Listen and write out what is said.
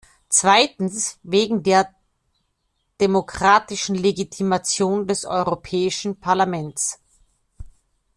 Zweitens wegen der demokratischen Legitimation des Europäischen Parlaments.